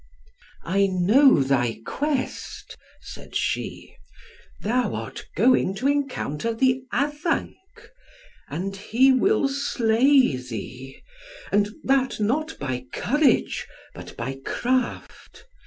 "I know thy quest," said she, "thou art going to encounter the Addanc, and he will slay thee, and that not by courage, but by craft.